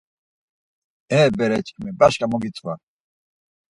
E bereşǩimi başǩa mu gitzva?